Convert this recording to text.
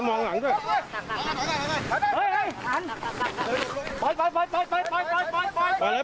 ข้างทางให้รัย